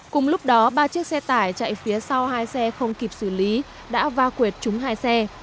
cùng lúc đó ba chiếc xe tải chạy phía sau hai xe không kịp xử lý đã va quyệt chúng hai xe